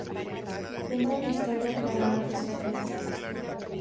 Cuenta una historia plagada de suspense.